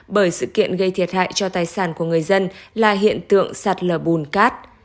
bởi sự kiện gây thiệt hại cho tài sản của người dân là hiện tượng sạt lở bùn cát